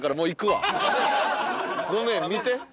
ごめん見て。